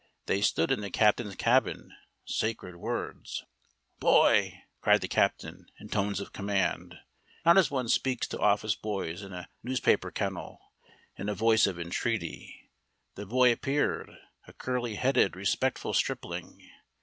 They stood in the captain's cabin (sacred words). "Boy!" cried the captain, in tones of command. Not as one speaks to office boys in a newspaper kennel, in a voice of entreaty. The boy appeared: a curly headed, respectful stripling.